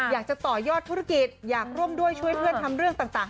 อยากจะต่อยอดธุรกิจอยากร่วมด้วยช่วยเพื่อนทำเรื่องต่าง